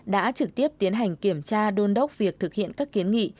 đã trực tiếp tiến hành kiểm tra đôn đốc việc thực hiện các kiến nghị